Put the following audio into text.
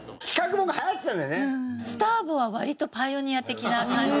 スターボーは割とパイオニア的な感じで。